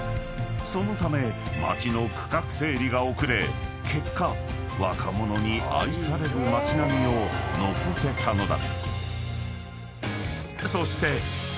［そのため街の区画整理が遅れ結果若者に愛される街並みを残せたのだ］